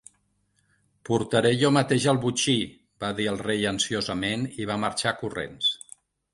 "Portaré jo mateix el botxí," va dir el rei ansiosament, i va marxar corrents.